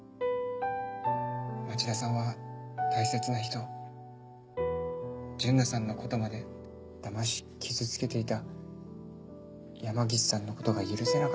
町田さんは大切な人純奈さんの事までだまし傷つけていた山岸さんの事が許せなかったんだと思います。